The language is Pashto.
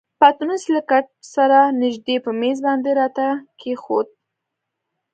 پتنوس یې له کټ سره نژدې پر میز باندې راته کښېښود.